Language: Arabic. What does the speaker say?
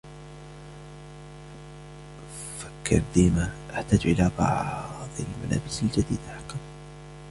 فكر ديما: " أحتاج إلى بعض الملابس الجديدة حقا ".